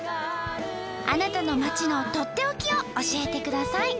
あなたの町のとっておきを教えてください。